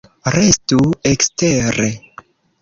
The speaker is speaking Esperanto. Restu ekstere!